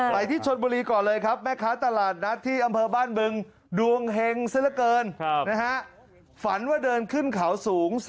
ไปที่ชนบุรีก่อนเลยครับแม่ค้าตลาดนัดที่อำเภอบ้านเบิง